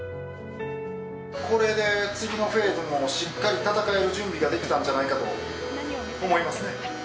これで次のフェーズもしっかり戦える準備ができたんじゃないかと思いますね。